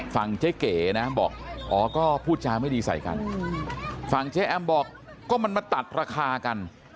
เจ๊เก๋นะบอกอ๋อก็พูดจาไม่ดีใส่กันฝั่งเจ๊แอมบอกก็มันมาตัดราคากัน